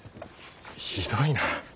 ひどいな。